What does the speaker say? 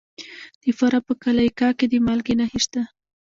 د فراه په قلعه کاه کې د مالګې نښې شته.